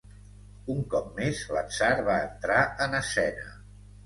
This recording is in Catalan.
Un cop més, l'atzar va entrar en escena.